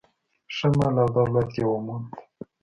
ښه مال او دولت یې وموند.